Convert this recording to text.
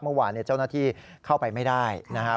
เมื่อวานเจ้าหน้าที่เข้าไปไม่ได้นะครับ